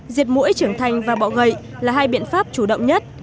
diệt mũi trưởng thành và bọ gậy là hai biện pháp chủ động nhất